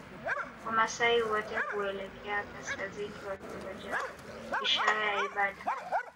Wamaasai wote huelekea kaskazini wakingojea ishara ya ibada